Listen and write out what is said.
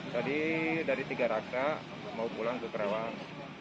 tadi dari tiga raka mau pulang ke kerawang